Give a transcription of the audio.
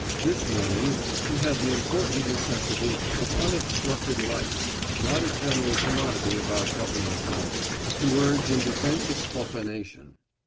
This morning she had the important necessity of unobstructed light not a general commodity about Government House to urge in defense of profanation.